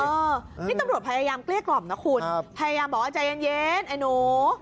นี่ตำรวจพยายามเกลี้ยกล่อมนะคุณพยายามบอกว่าใจเย็นไอ้หนู